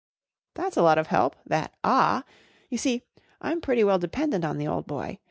" That's a lot of help, that 1 ah '! You see. I'm pretty well dependent on the old boy.